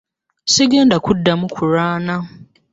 Sigenda kuddamu kulwana.